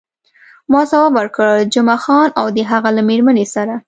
ما ځواب ورکړ، جمعه خان او د هغه له میرمنې سره.